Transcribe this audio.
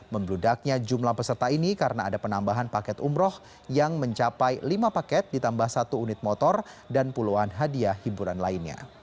membludaknya jumlah peserta ini karena ada penambahan paket umroh yang mencapai lima paket ditambah satu unit motor dan puluhan hadiah hiburan lainnya